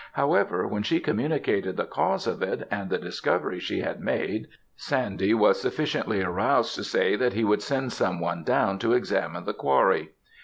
However, when she communicated the cause of it, and the discovery she had made, Sandy was sufficiently aroused to say that he would send some one down to examine the quarry.